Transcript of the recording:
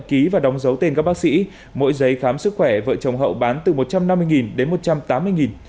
ký và đóng dấu tên các bác sĩ mỗi giấy khám sức khỏe vợ chồng hậu bán từ một trăm năm mươi đến một trăm tám mươi đồng